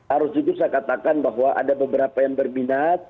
harus jujur saya katakan bahwa ada beberapa yang berminat